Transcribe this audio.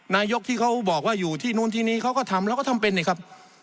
นายกที่เขาบอกว่าอยู่ที่นู่นที่นี่เขาก็ทำแล้วก็ทำเป็นเนี่ยครับ